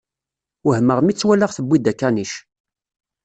Wehmeɣ mi tt-walaɣ tewwi-d akanic.